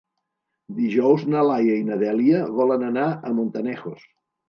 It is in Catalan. Dijous na Laia i na Dèlia volen anar a Montanejos.